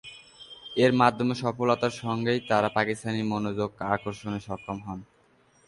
এর মাধ্যমে সফলতার সঙ্গেই তারা পাকিস্তানিদের মনোযোগ আকর্ষণে সক্ষম হন।